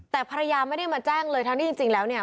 แต่ภรรยาไม่ได้มาแจ้งเลยทั้งที่จริงแล้วเนี่ย